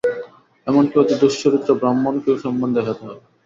এমন কি অতি দুশ্চরিত্র ব্রাহ্মণকেও সম্মান দেখাতে হবে।